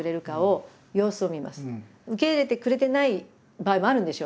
受け入れてくれてない場合もあるんですよ。